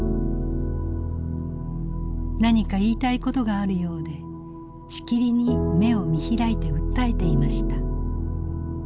「何か言いたい事があるようでしきりに目を見開いて訴えていました。